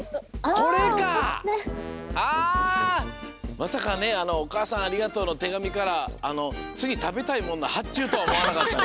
まさかね「おかあさんありがとう」のてがみからつぎたべたいもんのはっちゅうとはおもわなかったね。